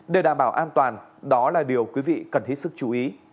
để đảm bảo an toàn đó là điều quý vị cần hết sức chú ý